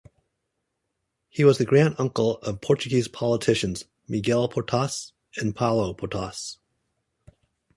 He was the granduncle of Portuguese politicians Miguel Portas and Paulo Portas.